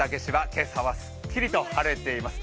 今朝はすっきりと晴れています。